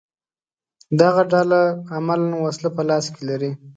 دغه ډله عملاً وسله په لاس کې لري